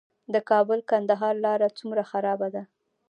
د کابل - کندهار لاره څومره خرابه ده؟